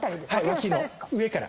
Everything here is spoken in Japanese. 脇の下？上から。